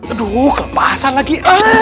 aduh kelepasan lagi